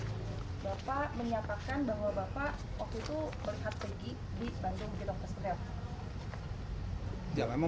bapak menyatakan bahwa bapak waktu itu melihat peggy di bandung